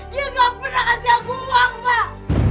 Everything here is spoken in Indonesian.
dia gak pernah ngasih aku uang mbak